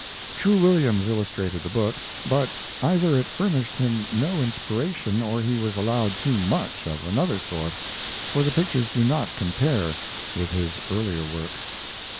True Williams illustrated the book, but either it furnished him no inspiration or he was allowed too much of another sort, for the pictures do not compare with his earlier work.